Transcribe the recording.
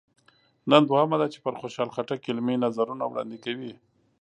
نن دوهمه ده چې پر خوشحال خټک علمي نظرونه وړاندې کوي.